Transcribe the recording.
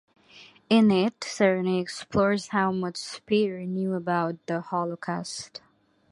In it, Sereny explores how much Speer knew about the Holocaust.